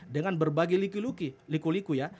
dengan berbagi liku liku ya